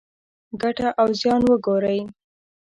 ګټه او زیان وګورئ.